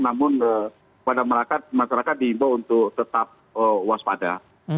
namun pada masyarakat diimbau untuk tetap waspada